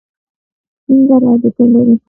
ټینګه رابطه لري.